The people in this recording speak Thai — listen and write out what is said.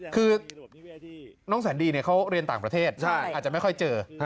คือน้องแสนดีเขาเรียนต่างประเทศอาจจะไม่ค่อยเจอ